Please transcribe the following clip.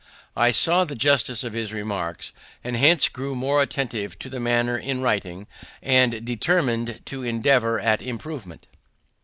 I saw the justice of his remarks, and thence grew more attentive to the manner in writing, and determined to endeavor at improvement.